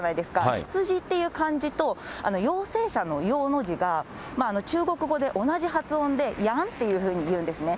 羊っていう漢字と、陽性者の陽の字が中国語で同じ発音で、ヤンっていうふうに言うんですね。